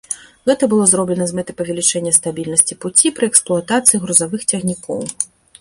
Гэта было зроблена з мэтай павялічэння стабільнасці пуці пры эксплуатацыі грузавых цягнікоў.